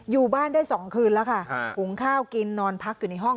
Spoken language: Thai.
อยู่บ้านได้๒คืนแล้วค่ะหุงข้าวกินนอนพักอยู่ในห้อง